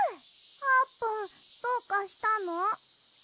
あーぷんどうかしたの？